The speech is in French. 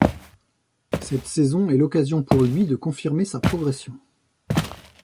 Cette saison est l'occasion pour lui de confirmer sa progression.